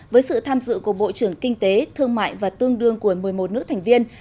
với sự tham dự của bộ trưởng kinh tế thương mại và tương đương của một mươi một nước thành viên